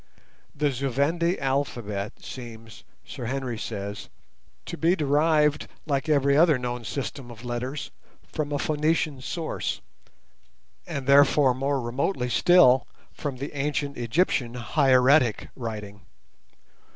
The Zu Vendi alphabet seems, Sir Henry says, to be derived, like every other known system of letters, from a Phœnician source, and therefore more remotely still from the ancient Egyptian hieratic writing.